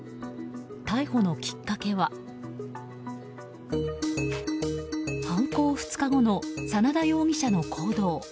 逮捕のきっかけは犯行２日後の真田容疑者の行動。